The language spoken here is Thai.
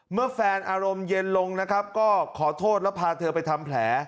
เมื่อแฟนอารมณ์เย็นลงนะครับก็ขอโทษแล้วพาเธอไปทำแผล